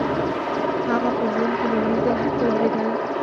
هغه په ژوند کې لومړي ځل هر څه واورېدل.